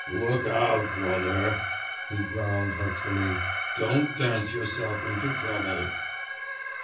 'Look out, brother,' he growled huskily, 'don't dance yourself into trouble.